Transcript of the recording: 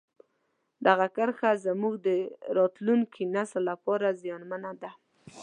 دغه کرښه زموږ د راتلونکي نسل لپاره زیانمنه ده.